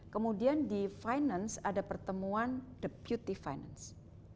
kemudian di finance ada pertemuan deputee finance